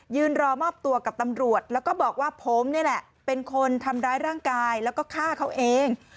รอมอบตัวกับตำรวจแล้วก็บอกว่าผมนี่แหละเป็นคนทำร้ายร่างกายแล้วก็ฆ่าเขาเอง